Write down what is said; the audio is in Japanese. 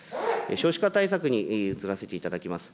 少子化対策に移らせていただきます。